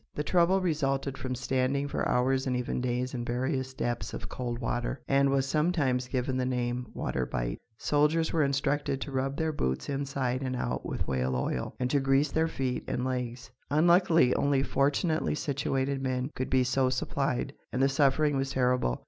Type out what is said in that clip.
The trouble resulted from standing for hours and even days in various depths of cold water, and was sometimes given the name "waterbite." Soldiers were instructed to rub their boots inside and out with whale oil, and to grease their feet and legs. Unluckily, only fortunately situated men could be so supplied, and the suffering was terrible.